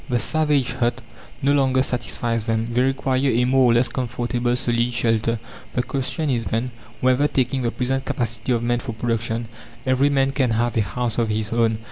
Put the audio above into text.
The savage's hut no longer satisfies them; they require a more or less comfortable solid shelter. The question is, then: whether, taking the present capacity of men for production, every man can have a house of his own?